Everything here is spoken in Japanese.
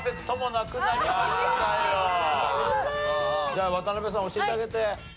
じゃあ渡辺さん教えてあげて。